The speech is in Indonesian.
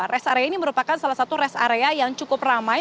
rest area ini merupakan salah satu rest area yang cukup ramai